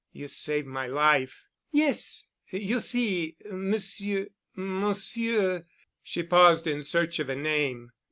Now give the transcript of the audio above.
"You saved my life——" "Yes. You see, Monsieur—Monsieur," she paused in search of a name.